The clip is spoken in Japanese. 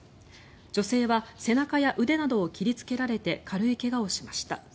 女性は背中や腕などを切りつけられて軽い怪我をしました。